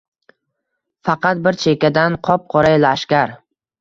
Faqat bir chekkadan qop-qora lashkar-